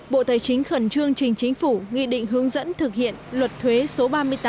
bộ tài chính khẩn trương trình chính phủ nghị định hướng dẫn thực hiện luật thuế số ba mươi tám hai nghìn một mươi chín